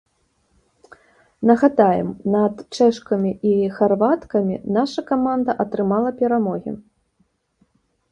Нагадаем, над чэшкамі і харваткамі наша каманда атрымала перамогі.